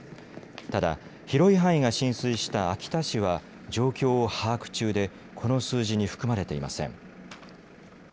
ただ広い範囲が浸水した秋田市は状況を把握中でこの数字に含まれていません。